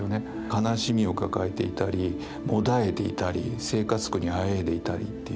悲しみを抱えていたりもだえていたり生活苦にあえいでいたりっていう人たちね。